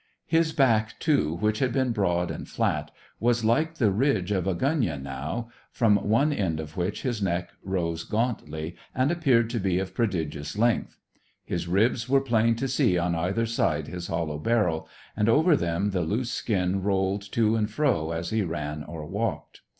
His back, too, which had been broad and flat, was like the ridge of a gunyah now, from one end of which his neck rose gauntly, and appeared to be of prodigious length. His ribs were plain to see on either side his hollow barrel, and over them the loose skin rolled to and fro as he ran or walked.